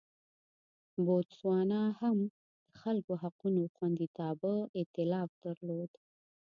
بوتسوانا هم د خلکو حقونو خوندیتابه اېتلاف درلود.